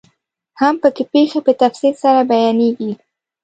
هم پکې پيښې په تفصیل سره بیانیږي.